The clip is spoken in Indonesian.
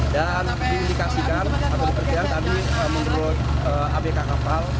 dan diindikasikan menurut abk kapal